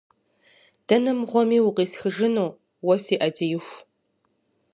Дэнэ мыгъуэми усхьыжыну, уэ си ӏэдииху?